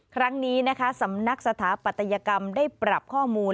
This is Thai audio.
ครั้งนี้นะคะสำนักสถาปัตยกรรมได้ปรับข้อมูล